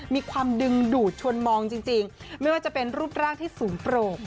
มีความดึงดูดชวนมองจริงไม่ว่าจะเป็นรูปร่างที่สูงโปรก